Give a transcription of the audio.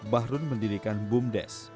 bahru mendirikan bumdes